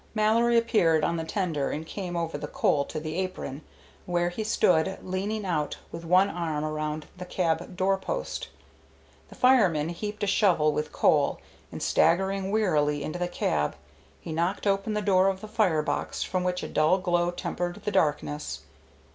Mallory appeared on the tender and came over the coal to the apron, where he stood leaning out with one arm around the cab door post. The fireman heaped a shovel with coal, and staggering wearily into the cab he knocked open the door of the fire box from which a dull glow tempered the darkness.